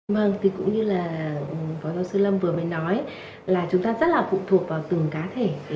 vâng thì cũng như là phó giáo sư lâm vừa mới nói là chúng ta rất là phụ thuộc vào từng cá thể